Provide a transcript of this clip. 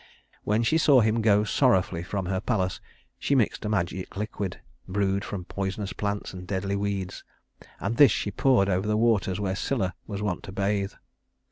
When she saw him go sorrowfully from her palace, she mixed a magic liquid, brewed from poisonous plants and deadly weeds, and this she poured over the waters where Scylla was wont to bathe.